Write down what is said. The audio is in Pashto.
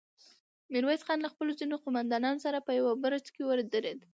ميرويس خان له خپلو ځينو قوماندانانو سره په يوه برج کې ودرېد.